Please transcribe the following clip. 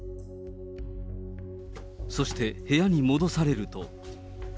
そして、部屋に戻されると。